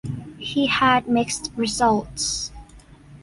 He had mixed results.